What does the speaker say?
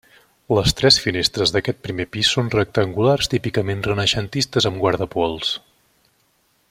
Les tres finestres d’aquest primer pis són rectangulars típicament renaixentistes amb guardapols.